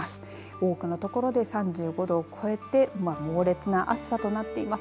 多くのところで３５度を超えて猛烈な暑さとなっています。